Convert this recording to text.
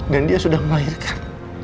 dan dia sudah melahirkan